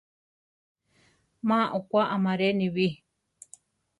Má okwá amaré, nibí.